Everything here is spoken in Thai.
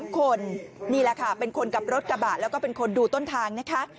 คนนี่แหละค่ะเป็นคนกับรถกระบะแล้วก็เป็นคนดูต้นทางนะคะ